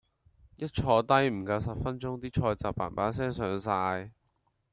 一坐低唔夠十分鐘啲菜就砰砰聲上晒